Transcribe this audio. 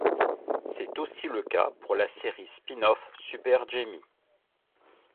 C'est aussi le cas pour la série spin-off Super Jaimie.